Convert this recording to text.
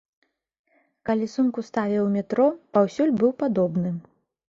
Калі сумку ставіў у метро, паўсюль быў падобны.